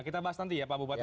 kita bahas nanti ya pak bupati